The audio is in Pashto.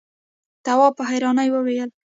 تواب په حيرانۍ وويل: